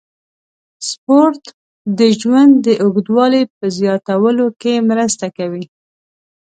سپورت د ژوند د اوږدوالي په زیاتولو کې مرسته کوي.